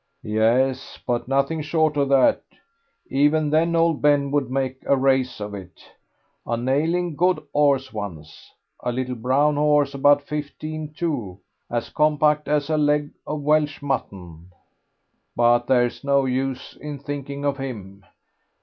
"Yes, but nothing short of that. Even then old Ben would make a race of it. A nailing good horse once. A little brown horse about fifteen two, as compact as a leg of Welsh mutton.... But there's no use in thinking of him.